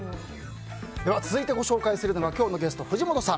では続いてご紹介するのは今日のゲストの藤本さん。